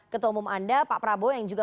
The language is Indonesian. ketua umum anda pak prabowo yang juga